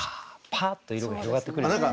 パーッと色が広がってくるようなね。